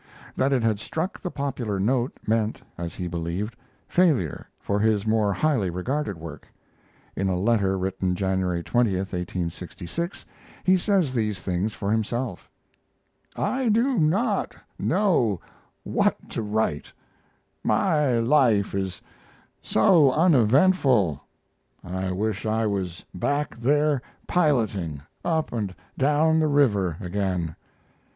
That it had struck the popular note meant, as he believed, failure for his more highly regarded work. In a letter written January 20, 1866, he says these things for himself: I do not know what to write; my life is so uneventful. I wish I was back there piloting up and down the river again.